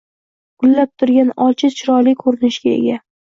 Gullab turgan olcha chiroyli ko‘rinishga ega.